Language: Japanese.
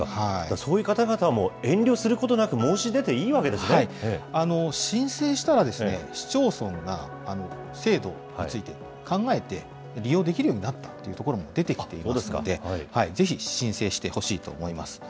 そういう方々も遠慮することなく、申請したら市町村が制度について考えて利用できるようになったという所も出てきていますので、ぜひ申請してほしいと思います。